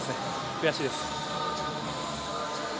悔しいです。